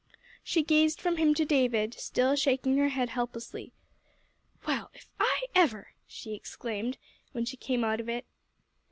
She gazed from him to David, still shaking her head helplessly. "Well, if I ever!" she exclaimed, when she came out of it.